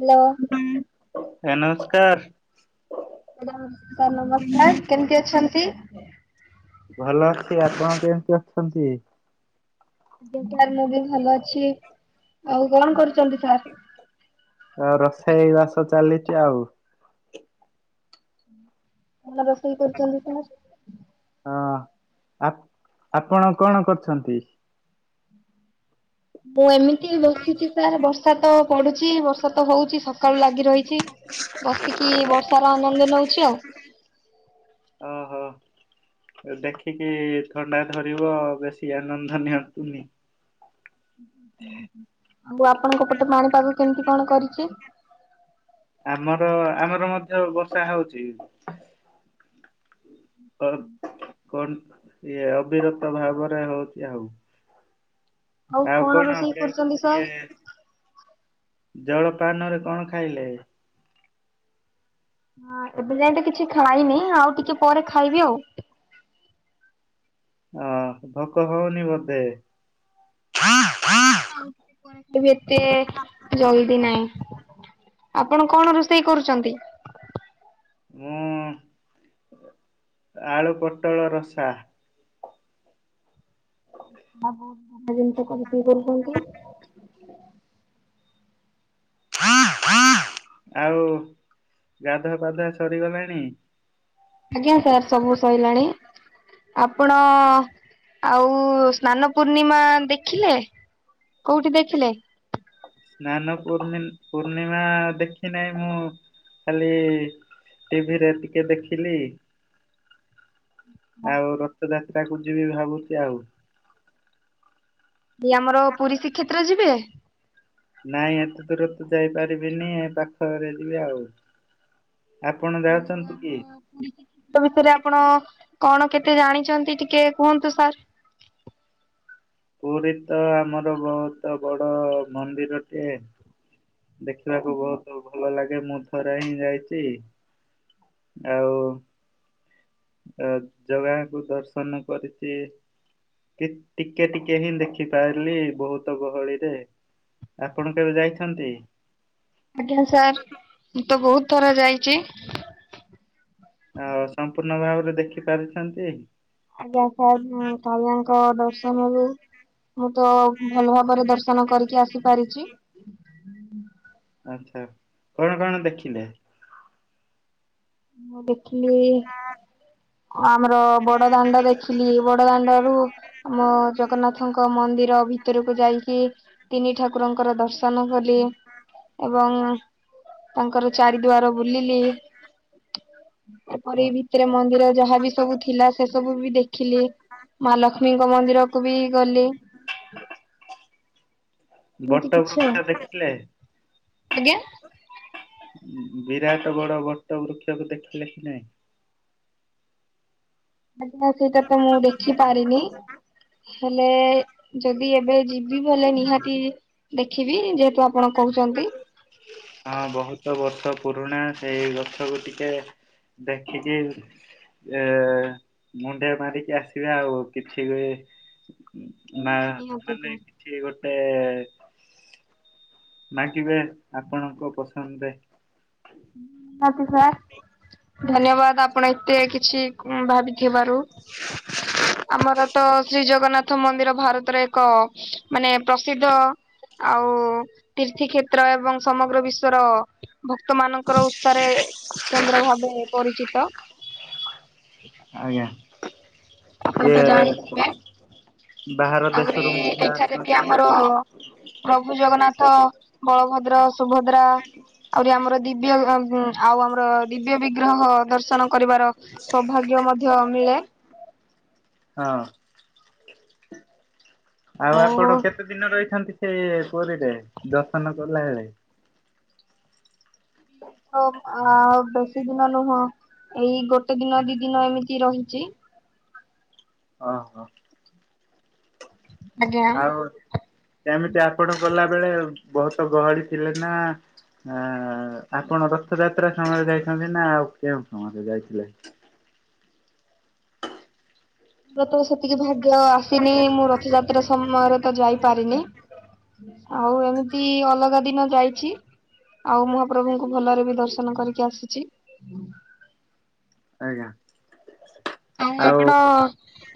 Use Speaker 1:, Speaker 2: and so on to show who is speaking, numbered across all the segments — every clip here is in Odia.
Speaker 1: ହ୍ୟାଲୋ।
Speaker 2: ଭାଇ ନମସ୍କାର।
Speaker 1: ସାର୍ ନମସ୍କାର କେମିତି ଅଛନ୍ତି?
Speaker 2: ଭଲ ଅଛି ଆପଣ କେମିତି ଅଛନ୍ତି?
Speaker 1: ଆଜ୍ଞା ସାର୍ ମୁଁ ବି ଭଲ ଅଛି ଆଉ କଣ କରୁଛନ୍ତି ସାର୍।
Speaker 2: ଆଉ ରୋଷେଇ ବାସ ଚାଲିଛି ଆଉ।
Speaker 1: କଣ ରୋଷେଇ କରିୁଛନ୍ତି ସାର୍।
Speaker 2: ହଁ ଆପ୍ ଆପଣ କଣ କରଛନ୍ତି।
Speaker 1: ମୁଁ ଏମିତି ବସିଛି ସାର୍ ବର୍ଷା ତ ପଡୁଛି ବର୍ଷା ତ ହଉଛି ସା କାଳୁ ଲାଗି ରହିଛି ବସିକି ବର୍ଷାର ଆନନ୍ଦ ନଉଛି ଆଉ।
Speaker 2: ଓହୋ। ଆ ଦେଖିକି ଥଣ୍ଡା ଧରିବ ବେଶୀ ଆନନ୍ଦ ନିଅନ୍ତୁନି।
Speaker 1: ଆଉ ଆପଣଙ୍କ ପଟେ ପାଣିପାଗ କେମିତି କଣ କରିଚି।
Speaker 2: ଆମର ଆମର ମଧ୍ୟ ବର୍ଷା ହଉଚି। କର କଣ ଇଏ ଅବିରତ ଭାବରେ ହଉଛି ଆଉ। ଆଉ କଣ ଆ
Speaker 1: ରୋଷେଇ
Speaker 2: ପ
Speaker 1: କରୁଛନ୍ତି ସାର୍?
Speaker 2: ଇଏ ଜଳପାନରେ କଣ ଖାଇଲେ।
Speaker 1: ହଁ ଏବେ ଯାଏ ତ କିଛି ଖାଇନି ଆଉ ଟିକେ ପରେ ଖାଇବି ଆଉ।
Speaker 2: ହଁ ଭୋକ ହଉନି ବଧେ।
Speaker 1: [inaudible] ବି ଏତେ ଜଲଦି ନାହିଁ ଆପଣ କଣ ରୋଷେଇ କରୁଛନ୍ତି।
Speaker 2: ମୁଁ ଆଳୁ ପୋଟଳ ରସା।
Speaker 1: ବା ବହୁତ ବଢ଼ିଆ ଜିନିଷ ତ ରୋଷେଇ କରୁଛନ୍ତି।
Speaker 2: ଆଉ ଗାଧୁ ପାଧୂଆ ସରିଗଲାଣି।
Speaker 1: ଆଜ୍ଞା ସାର୍ ସବୁ ସଇଲାଣି। ଆପଣ ଆଉ ସ୍ନାନ ପୂର୍ଣ୍ଣିମା ଦେଖିଲେ। କୋଉଠି ଦେଖିଲେ।
Speaker 2: ସ୍ନାନ ପୂର୍ଣିମ୍ ପୂର୍ଣ୍ଣିମା ଦେଖି ନାହିଁ ମୁଁ ଖାଲି ଟିଭିରେ ଟିକେ ଦେଖିଲି। ଆଉ ରଥଯାତ୍ରା କୁ ଯିବି ଭାବୁଛି ଆଉ।
Speaker 1: ଏଇ ଆମର ପୁରୀ ଶ୍ରୀ୍ଷେତ୍ର ଯିବେ।
Speaker 2: ନାଇଁ ଏତେ ଦୂର ତ ଯାଇପାରିବିନି ଏ ପାଖରେ ଯିବି ଆଉ। ଆପଣ ଯାଉଛନ୍ତି କି?
Speaker 1: ଥ ବିଷୟରେ ଆପଣ କଣ କେତେ ଜାଣିଛନ୍ତି ଟିକେ କୁହନ୍ତୁ ସାର୍।
Speaker 2: ପୁରୀ ତ ଆମର ବହୁତ ବଡ ମନ୍ଦିରଟେ ଦେଖିବାକୁ ବହୁତ ଭଲ ଲାଗେ ମୁଁ ଥରେ ହିଁ ଯାଇଛି ଆଉ ଅ ଜଗାକୁ ଦର୍ଶନ କରିଚି। କି ଟିକେ ଟିକେ ହିଁ ଦେଖି ପାରିଲି ବହୁତ ଗହଳିରେ। ଆପଣ କେବେ ଯାଇଛନ୍ତି?
Speaker 1: ଆଜ୍ଞା ସାର୍ ମୁଁ ତ ବହୁତ ଥର ଯାଇଚି।
Speaker 2: ଆଉ ସମ୍ପୂର୍ଣ୍ଣ ଭାବରେ ଦେଖି ପାରିଛନ୍ତି?
Speaker 1: ଆଜ୍ଞା ସାର୍ ମୁଁ କାଳିଆଙ୍କ ଦର୍ଶନରୁ ମୁଁ ତ ଭଲ ଭାବରେ ଦର୍ଶନ କରିକି ଆସିପାରିଚି।
Speaker 2: ଆଚ୍ଛା, କଣ କଣ ଦେଖିଲେ?
Speaker 1: ମୁଁ ଦେଖିଲି
Speaker 2: [unintelligible]
Speaker 1: ଆମର ବଡ ଦାଣ୍ଡ ଦେଖିଲି, ବଡ ଦାଣ୍ଡରୁ ଆମ ଜଗନ୍ନାଥଙ୍କ ମନ୍ଦିର ଭିତରୁକୁ ଯାଇକି ତିନି ଠାକୁରଙ୍କର ଦର୍ଶନ କଲି ଏବଂ ତାଙ୍କର ଚାରିଦୁଆର ବୁଲିଲି। ଏପରି
Speaker 2: ହଁ
Speaker 1: ଭିତରେ ମନ୍ଦିର ଯାହା ବିି ସବୁ ଥିଲା ସେ ସବୁ ବି ଦେଖିଲି। ମା ଲକ୍ଷ୍ମୀଙ୍କ ମନ୍ଦିରକୁ ବି ଗଲି।
Speaker 2: [inaudible]
Speaker 1: ଏମିତି କିଛି ଆ,
Speaker 2: ବୃକ୍ଷ ଦେଖିଲେ?
Speaker 1: ଆଜ୍ଞା।
Speaker 2: ବିରାଟ ବଡ ବଟ ବୃକ୍ଷକୁ ଦେଖିଲେ କି ନାଇଁ?
Speaker 1: ଆଜ୍ଞା ସେଇଟା ତ ମୁଁ ଦେଖିପାରିନି ହେଲେ ଯଦି ଏବେ ଯି ବି ବଲେ ନିହାତି ଦେଖିବି ଯେହେତୁ ଆପଣ କହୁଚନ୍ତି।
Speaker 2: ହଁ ବହୁତ ବର୍ଷ ପୁରୁଣା ସେଇ ଗଛକୁ ଟିକେ ଦେଖିଚି। ଏ ମୁଣ୍ଡିଆ ମାରିକି ଆସିବେ ଆଉ କିଛି ବି ମା ମାନେ
Speaker 1: ନିହାତି
Speaker 2: କିଛି ଗୋଟେ ମାଗିବେ ଆପଣଙ୍କ ପସନ୍ଦ ଦେ।
Speaker 1: ନାତି ସା ଧନ୍ୟବାଦ ଆପଣ ଏତେ କିଛି ଉଁ ଭାବିିଥିବାରୁ।
Speaker 2: [inaudible]
Speaker 1: ଆମର ତ ଶ୍ରୀ ଜଗନ୍ନାଥ ମନ୍ଦିର ଭାରତର ଏକ ମାନେ ପ୍ରସିଦ୍ଧ। ଆଉ ତିର୍ଥି କ୍ଷେତ୍ର ଏବଂ ସମଗ୍ର ବିଶ୍ବର ଭକ୍ତ ମାନ ଙ୍କର ଉସ୍ତାରେ କେନ୍ଦ୍ର ଭାବେ ପରିଚିତ।
Speaker 2: ଆଜ୍ଞା,
Speaker 1: ଆପଣ ତ
Speaker 2: କିଏ
Speaker 1: ଜାଣିଥିବେ ଆହୁରି ଏଠାରେ ବି
Speaker 2: ଆସନ୍ତି
Speaker 1: ଆମର ପ୍ରଭୁ ଜଗନ୍ନାଥ, ବଳଭଦ୍ର, ସୁଭଦ୍ରା। ଆହୁରି ଆମର ଦିବ୍ୟ ଏ ଉଁ ଆଉ ଆମର ଦିବ୍ୟ ବିଗ୍ରହ ଦର୍ଶନ କରିବାର ସୌଭାଗ୍ୟ ମଧ୍ୟ ମିଳେ।
Speaker 2: ଅଁ। ଆଉ ଆପଣ କେତେ ଦିନ ରହିଛନ୍ତି ସେ ପୁରୀରେ ଦର୍ଶନ କଲା ଏଳେ?
Speaker 1: ଉମ୍ ଆ ବେଶୀ ଦିନ ନୁହଁ ଏଇ ଗୋଟେ ଦିନ ଦି ଦିନ ଏମିତି ରହିଚି।
Speaker 2: ଅ ହ।
Speaker 1: ଆଜ୍ଞା।
Speaker 2: ଆଉ ଏମିତି ଆପଣ ଗଲା ବେଳେ ବହୁତ ଗହଳି ଥିଲେ ନା ଆ ଆପଣ ରଥଯାତ୍ରା ସମୟରେ ଯାଇଛନ୍ତି ନା ଆଉ କେଉଁ ସମୟରେ ଯାଇଥିଲେ?
Speaker 1: ମୋର ତ ସେତିକି ଭାଗ୍ୟ ଆସିନି ମୁଁ ରଥଯାତ୍ରା ସମୟରେ ତ ଯାଇପାରିନି। ଆଉ ଏମିତି ଅଲଗା ଦିନ ଯାଇଚି। ଆଉ ମହାପ୍ରଭୁଙ୍କୁ ଭଲରେ ବି ଦର୍ଶନ କରିକି ଆସିଚି।
Speaker 2: ଆଜ୍ଞା।
Speaker 1: ତମର
Speaker 2: ଆଉ
Speaker 1: କଣ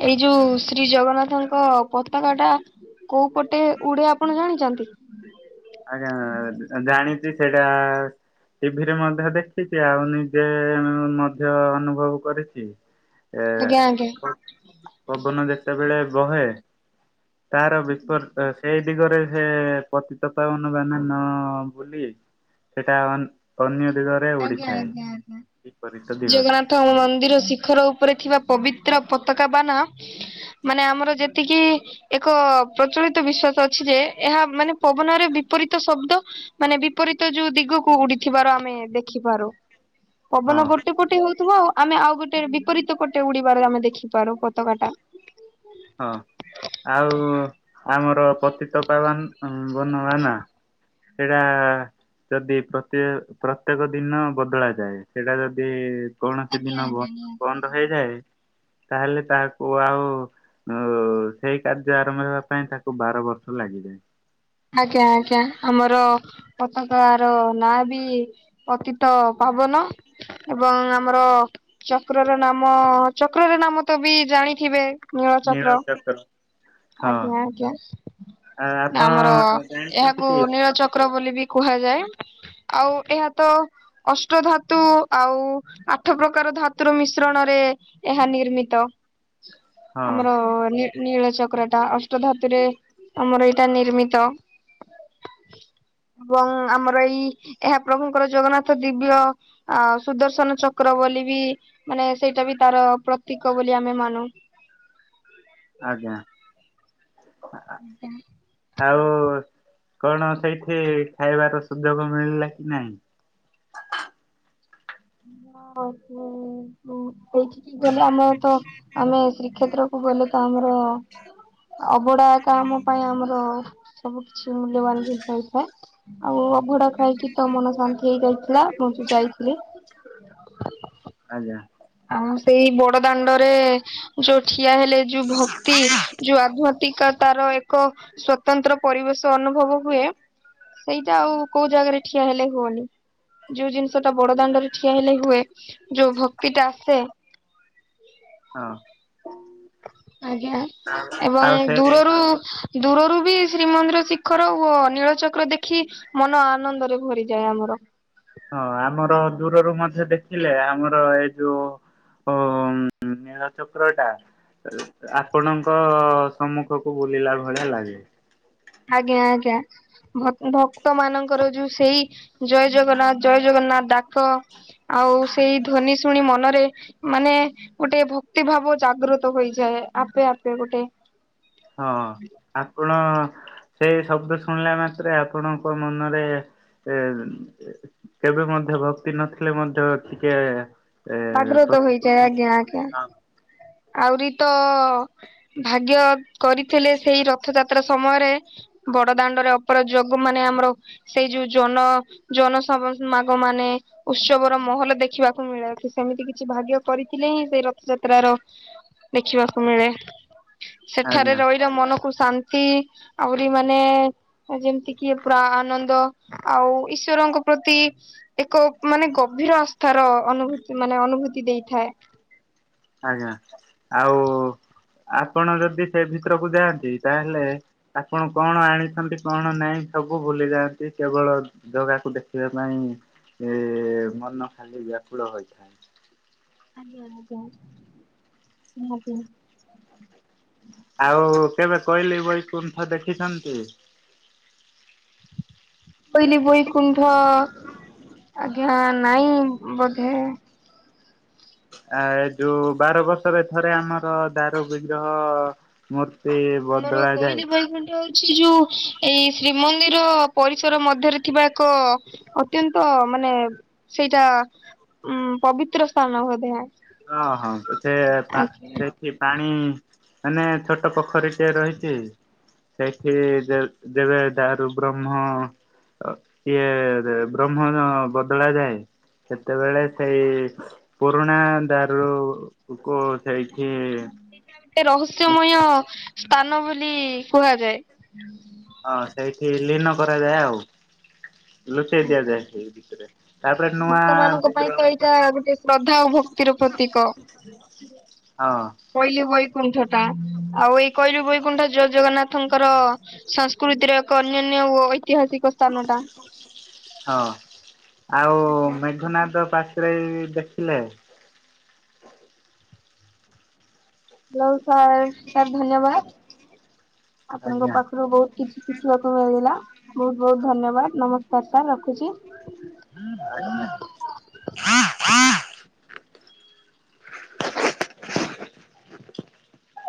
Speaker 1: ଏଇ ଯୋଉ ଶ୍ରୀ ଜଗନ୍ନାଥଙ୍କ ପତକାଟା କୋଉ ପଟେ ଉଡ଼େ ଆପଣ ଜାଣିଚନ୍ତି?
Speaker 2: ଆଜ୍ଞା ଆ ଜାଣିଚି ସେଇଟା ଟିଭିରେ ମଧ୍ୟ ଦେଖିଛି ଆଉ ନିଜେ ମଧ୍ୟ ଅନୁଭବ କରିଚି। ଏ
Speaker 1: ଆଜ୍ଞା ଆଜ୍ଞା।
Speaker 2: ପ ପବନ ଯେତେବେଳେ ବହେ ତାର ବିପର୍ ସେଇ ଦିଗରେ ସେପତି ପତିପାବନଵାନା ନ ବୁଲି ସେଟାଅନ୍ ଅନ୍ୟ ଦିଗରେ ସେ ଉଡିଥାଏ କିପରିତ ଦିଗରେ।
Speaker 1: ତ ମନ୍ଦିର ଶିଖର ଉପରେ ଥିବା ପବିତ୍ର ପତାକା ବାନା ମାନେ ଆମର ଯେତିକି? ଏକ ପ୍ରଚଳିତ ବିଶ୍ଵାସ ଅଛି ଯେ ଏହା ମାନେ ପବନରେ ବିପରୀତ ଶବ୍ଦ। ମାନେ ବିପରୀତ ଯୋଉ ଦିଗକୁ ଉଡିଥିବାର ଆମେ ଦେଖ ଦେଖିପାରୁ
Speaker 2: ହଁ
Speaker 1: ପବନ ଗୋଟେ ପୋଟେ ହଉଥିବ ଆମେ ଆଉ ଗୋଟେ ବିପରୀତ ପଟେ ଉଡିବାରେ ଆମେ ଦେଖିପାରୁ ପତାକା ଟା।
Speaker 2: ହଁ ଆଉ ଆମର ପ୍ରତିତ ପାବନ ବନ ନା। ସେଇଟା ଯଦି ପ୍ରତି ପ୍ରତ୍ୟେକ ଦିନ ବଦଳାଯାଏ ସେଇଟା ଯଦି କୌଣସି ଦିନ ବନ୍ଦ ହେଇଯାଏ ତାହେଲେ ତାହାକୁ ଆଉ ଓ ସେଇ କାର୍ଯ୍ୟ ଆରମ୍ଭ ହେବା ପାଇଁ ତାକୁ ବାର ବର୍ଷ ଲାଗିଯାଏ।
Speaker 1: ଆଜ୍ଞା ଆଜ୍ଞା ଆମର ପତାକା ର ନାଁ ବି ପତୀତ ପାବନ। ଏବଂ ଆମର ଚକ୍ରର ନାମ ଚକ୍ରର ନାମ ତ ବି ଜାଣିଥିବେ?
Speaker 2: ନୀଳ
Speaker 1: ନୀଳଚକ୍ର
Speaker 2: ଚକ୍ର ହଁ
Speaker 1: ଆଜ୍ଞା ଆଜ୍ଞା
Speaker 2: ଆ
Speaker 1: ନାମ। ହଁ
Speaker 2: ଆପଣ ଜାଣିଛନ୍ତି
Speaker 1: ଏହାକୁ
Speaker 2: କି
Speaker 1: ନୀଳଚକ୍ର ବୋଲି ବି କୁହାଯାଏ ଆଉ ଏହା ତ ଅଷ୍ଟ ଧାତୁ ଆଉ ଆଠ ପ୍ରକାର ଧାତୁର ମିଶ୍ରଣରେ ଏହା ନିର୍ମିତ।
Speaker 2: ହଁ
Speaker 1: ଆମର ନୀଳ ଚକ୍ର ଟା ଅଷ୍ଟ ଧାତୁରେ ଆମର ଏଇଟା ନିର୍ମି ତ। ଏବଂ ଆମର ଏଇ ଏହା ପ୍ରଭୁଙ୍କର ଜଗନ୍ନାଥ ଦିବ୍ୟ ଆ ସୁଦର୍ଶନ ଚକ୍ର ବୋଲି ବି ମାନେ ସେଇଟା ବି ତାର ପ୍ରତୀକ ବୋଲି ଆମେ ମାନୁ।
Speaker 2: ଆଜ୍ଞା।
Speaker 1: ନାଁ।
Speaker 2: ଆଉ କଣ ସେଇଠି ଖାଇବାର ସୁଯୋଗ ମିଳିଲା କି ନାଇଁ?
Speaker 1: ହଁ ମୁଁ ଉଁ ହୁଁ ଏଇଠିକି ଗଲେ ଆମର ତ ଆମେ ଶ୍ରୀକ୍ଷେତ୍ରକୁୁ ଗଲେ ତ ଆମର ଅବଢ଼ା ଏକା ଆମ ପାଇଁ ଆମର ସବୁ କିଛି ମୂଲ୍ୟବାନ ଜିନିଷ ହେଇଥାଏ ଆଉ ଅଭଡ଼ା ଖାଇକି ତ ମନ ଶାନ୍ତି ହେଇଯାଏ। ଲା ମୁଁ ବି ଯାଇଥିଲି।
Speaker 2: ଆଜ୍ଞା।
Speaker 1: ଆଉ ସେଇ ବଡ଼ ଦାଣ୍ଡରେ ଯୋଉ ଠିଆ ହେଲେ ଯୋଉ ଭକ୍ତି ଯୋଉ ଆଧୁଆ ଟିକା ତାର ଏକ ସ୍ଵତନ୍ତ୍ର ପରିବେଶ ଅନୁଭବ ହୁଏ। ସେଇଟା ଆଉ କୋଉ ଜାଗାରେ ଠିଆ ହେଲେ ହୁଅନି। ଯୋଉ ଜିନିଷଟା ବଡ଼ ଦାଣ୍ଡରେ ଠିଆ ହେଲେ ହୁଏ ଯୋଉ ଭକ୍ତିଟା ଆସେ
Speaker 2: ହଁ।
Speaker 1: ଆଜ୍ଞା ଏବଂ
Speaker 2: ଆଉ ସେ
Speaker 1: ଦୂରରୁ ଦୂରରୁ ବି ଶ୍ରୀମନ୍ଦିର ଶିଖର ଓ ନୀଳଚକ୍ର ଦେଖି ମନ ଆନନ୍ଦରେ ଭରିଯାଏ ଆମର।
Speaker 2: ହଁ ଆମର ଦୂରରୁ ମଧ୍ୟ ଦେଖିଲେ ଆମର ଏଇଠୁ ଅ, ଉଁ, ନୀଳଚକ୍ର ଟା ଆପଣଙ୍କ ସମ୍ମୁଖକୁ ବୁଲିଲା ଭଳିଆ ଲାଗେ।
Speaker 1: ଆଜ୍ଞା, ଆଜ୍ଞା। ଭ-ଉଁ, ଭକ୍ତ ମାନଙ୍କର ଯୋଉ ସେଇ ଜୟ ଜଗନ୍ନାଥ ଜୟ ଜଗନ୍ନାଥ ଡାକ ଆଉ ସେଇ ଧ୍ୱନି ଶୁଣି ମନରେ ମାନେ ଗୋଟେ ଭକ୍ତି ଭାବ ଜାଗ୍ରତ ହୋଇଯାଏ ଆପେ ଆପେ ଗୋଟେ।
Speaker 2: ହଁ ଆପଣ ସେଇ ଶବ୍ଦ ଶୁଣିଲା ମାତ୍ରେ ଆପଣଙ୍କ ମନରେ ଏ କେବେ ମଧ୍ୟ ଭକ୍ତି ନଥିଲେ ମଧ୍ୟ ଟିକେ
Speaker 1: ଆଗ୍ରତ ହୋଇଯାଏ, ଆଜ୍ଞା, ଆଜ୍ଞା। ଆଉରି ତ ଭାଗ୍ୟ କରିଥିଲେ ସେଇ ରଥଯାତ୍ରା ସମୟରେ ବଡ ଦାଣ୍ଡରେ ଅପର ଯୋଗୁ ମାନେ ଆମର ସେଇ ଯୋଉ ଜନ ଜନସମ ମାଗ ମାନେ ଉତ୍ସବର ମହଲ ଦେଖିବାକୁ ମିଳେ, ଏଠି ସେମିତି କିଛି ଭାଗ୍ୟ କରିଥିଲେ ହିଁ ସେଇ ରଥଯାତ୍ରାର ଦେଖିବାକୁ ମିଳେ, ସେଠାରେ
Speaker 2: ଆଜ୍ଞା
Speaker 1: ରଇ ଯେ ମନକୁ ଶାନ୍ତି ଆଉରି ମାନେ ଏ ଯେମିତି କି ପୁରା ଆ, ଆନନ୍ଦ ଆଉ ଈଶ୍ଵରଙ୍କ ପ୍ରତି ଏକ ମାନେ ଗଭୀର ଆସ୍ଥାର ଅନୁଭୂତି ମାନେ ଅନୁଭୂତି ଦେଇଥାଏ।
Speaker 2: ଆଜ୍ଞା, ଆଉ ଆପଣ ଯଦି ସେ ଭିତରକୁ ଯାଆନ୍ତି ତାହେଲେ ଆପଣ କଣ ଆଣିଛନ୍ତି କଣ ନାହିଁ ସବୁ ଭୁଲି ଯାଆନ୍ତି, କେବଳ ଜଗାକୁ ଦେଖିବା ପାଇଁ ମନ ଏ, ଖାଲି ବ୍ୟାକୁଳ ହୋଇଥାଏ।
Speaker 1: ଆଜ୍ଞା, ଆଜ୍ଞା ନିହାତି, ନିହାତି।
Speaker 2: ଆଉ କେବେ କୋଇଲି ବୈକୁଣ୍ଠ ଦେଖିଛନ୍ତି?
Speaker 1: କୋଇଲି ବୈକୁଣ୍ଠ ଆଜ୍ଞା ନାଇଁ ବୋଧେ।
Speaker 2: ଆ, ଯୋଉ ବାର ବର୍ଷରେ ଥରେ ଆମର ଦାରୁ ବିଗ୍ରହ ମୂର୍ତ୍ତି ବଦଳା ଯାଏ।
Speaker 1: ସିଏ ହଉଛି ଯୋଉ ଏଇ ଶ୍ରୀମନ୍ଦିର ପରିସର ମଧ୍ୟରେ ଥିବା ଏକ ଅତ୍ୟନ୍ତ ମାନେ ସେଇଟା ଉଁ, ପବିତ୍ର ସ୍ଥାନ ବୋଧେ।
Speaker 2: ଅ ହଁ।
Speaker 1: ଆଜ୍ଞା।
Speaker 2: [unintelligible] ଯେ ପାଣି ମାନେ ଛୋଟ ପୋଖରୀ ଟିଏ ରହିଚି ସେଇଠି ଯେ ଯେବେ ଦାରୁ ବ୍ରହ୍ମ ଓ ସିଏ ଯେ ବ୍ରହ୍ମ ଯୋ ବଦଳା ଯାଏ। ସେତେବେଳେ ସେଇ ପୁରୁଣା ଦାରୁକୁ ସେଇଠି
Speaker 1: ଟେ ରହସ୍ୟମୟ ସ୍ଥାନ ବୋଲି କୁହାଯାଏ।
Speaker 2: ହଁ ସେଇଠି ଲୀନ କରାଯାଏ ଆଉ। ଲୁଚେଇ
Speaker 1: ଆଜ୍ଞା,
Speaker 2: ଦିଆଯାଏ ସେଇ ଭିତରେ ତାପରେ ନୂଆ
Speaker 1: ଭକ୍ତମାନଙ୍କ ପାଇଁ
Speaker 2: ବିଗ୍ରହ
Speaker 1: ତ ଏଇଟା ଗୋଟେ ଶ୍ରଦ୍ଧା ଆଉ ଭ କ୍ତିର ପ୍ରତୀକ।
Speaker 2: ହଁ।
Speaker 1: କୋଇଲି ବୈକୁଣ୍ଠ ଟା ଆଉ ଏଇ କୋଇଲି ବୈକୁଣ୍ଠ ଜୟ ଜଗନ୍ନାଥ ଥଙ୍କର ସଂସ୍କୃତିର ଏକ ଅନ୍ୟାନ୍ୟ ଓ ଐତିହାସିକ ସ୍ଥାନ ଟା।
Speaker 2: ହଁ ଆଉ
Speaker 1: ଆଜ୍ଞା
Speaker 2: ମେଘନାଦ ପାଚେରି ଦେଖିଲେ?
Speaker 1: [unintelligible] ସାର୍ ଧନ୍ୟବାଦ। ଆପଣଙ୍କ
Speaker 2: ଆଜ୍ଞା
Speaker 1: ପାଖରୁ ବହୁତ୍ କିଛି ଶିଖିବାକୁ ମିଳିଲା, ବହୁତ ବହୁତ ଧନ୍ୟବାଦ ନମସ୍କାର ସାର୍ ରଖୁଛି।
Speaker 2: ଆଜ୍ଞା।